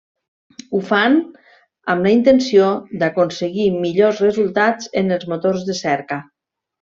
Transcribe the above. Ho fan amb la intenció d'aconseguir millors resultats en els motors de cerca.